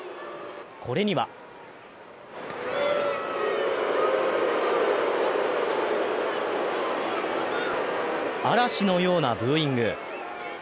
これには嵐のようなブーイング。